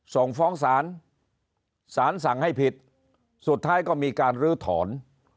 ส่งฟ้องศาลศาลสั่งให้ผิดสุดท้ายก็มีการลื้อถอน